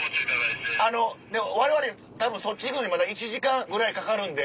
でもわれわれたぶんそっち行くのにまだ１時間ぐらいかかるんで。